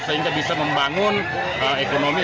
sehingga bisa membangun ekonomi